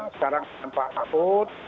sekarang dengan pak atut